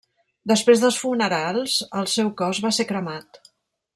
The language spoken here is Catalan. Després dels funerals, el seu cos va ser cremat.